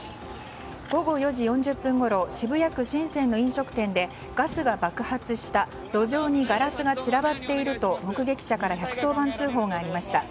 午後４時４０分ごろ渋谷区神泉の飲食店でガスが爆発した路上にガラスが散らばっていると目撃者から１１０番通報がありました。